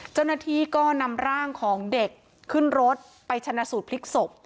เจ้าหน้าที่ก็นำร่างของเด็กขึ้นรถไปชนะสูตรพลิกศพ